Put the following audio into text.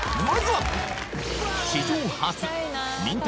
まずは史上初任